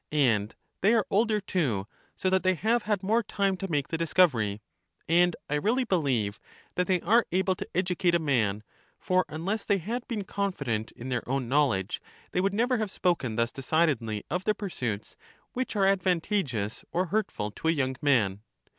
And they are older too ; so that they have had more time to make the discovery. And I really believe that they are able to educate a man; for un less they had been confident in their own knowledge, they would never have spoken thus decidedly of the pursuits which are advantageous or hurtful to a young man.